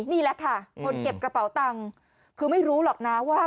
นี่แหละค่ะคนเก็บกระเป๋าตังค์คือไม่รู้หรอกนะว่า